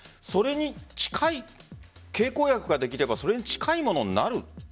それに近い経口薬ができればそれに近いものになる。